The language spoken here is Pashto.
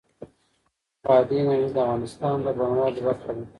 بادي انرژي د افغانستان د بڼوالۍ برخه ده.